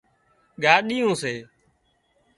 ڳايُون سي